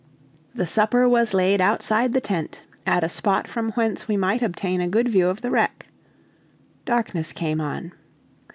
The supper was laid outside the tent, at a spot from whence we might obtain a good view of the wreck. Darkness came on.